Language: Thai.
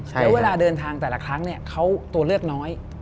แล้วเวลาเดินทางแต่ละครั้งเขาตัวเลือกน้อย